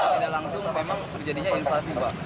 tidak langsung memang terjadinya inflasi pak